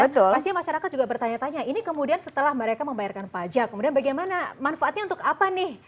pastinya masyarakat juga bertanya tanya ini kemudian setelah mereka membayarkan pajak kemudian bagaimana manfaatnya untuk apa nih